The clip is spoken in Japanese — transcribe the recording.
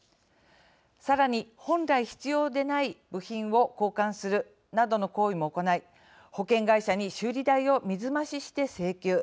さらに本来必要でない部品を交換するなどの行為も行い保険会社に修理代を水増しして請求。